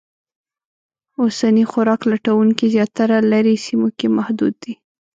اوسني خوراک لټونکي زیاتره لرې سیمو کې محدود دي.